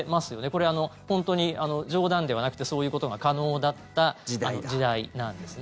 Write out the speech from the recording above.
これ、本当に冗談ではなくてそういうことが可能だった時代なんですね。